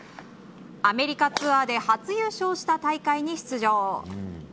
アメリカツアーで初優勝した大会に出場。